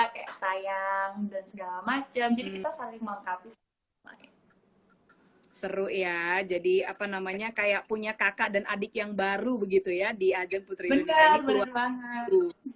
kayak sayang dan segala macem jadi kita saling mengkapi seru ya jadi apa namanya kayak punya kakak dan adik yang baru begitu ya di ajak putri indonesia ini keluarga baru bener banget